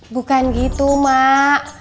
bukan gitu mak